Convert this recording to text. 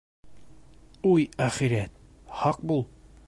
Уй, әхирәт... һаҡ бул!